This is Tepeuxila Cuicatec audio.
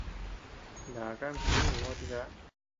Naka ama jinínii bö tiká.